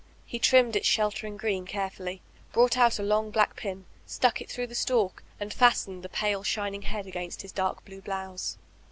He trinmied its sheltering green carefully, brought out a long black pin, stuck it through the sttOc, and fastened the pale shining head against his dark blue blouse.